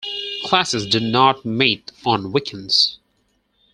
Classes do not meet on weekends.